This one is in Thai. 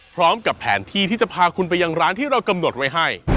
พร้อมกับแผนที่ที่จะพาคุณไปยังร้านที่เรากำหนดไว้ให้